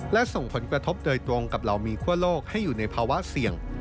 และส่งผลกระทบโดยตรงกับเหล่ามีคั่วโลกให้อยู่ในภาวะเสี่ยง